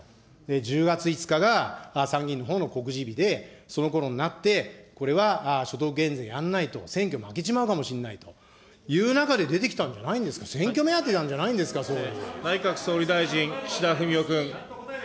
１０月５日が参議院のほうの告示日で、そのころになってこれは所得減税やんないと選挙負けちまうかもしんないと、いう中で出てきたんじゃないですか、選挙目当てなんじゃないんですか、総理。